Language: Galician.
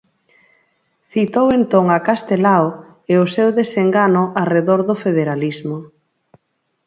Citou entón a Castelao e o seu desengano arredor do federalismo.